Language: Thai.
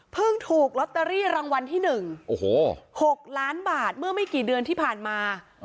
ถูกลอตเตอรี่รางวัลที่๑๖ล้านบาทเมื่อไม่กี่เดือนที่ผ่านมา